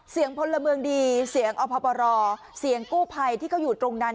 เสียงพลเมืองดีเสียงอภัพรอเสียงกู้ไพที่เขาอยู่ตรงนั้น